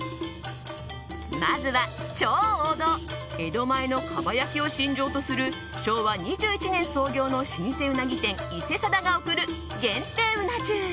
まずは超王道江戸前の蒲焼を信条とする昭和２１年創業の老舗うなぎ店伊勢定が送る限定うな重。